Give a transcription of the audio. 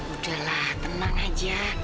udahlah tenang aja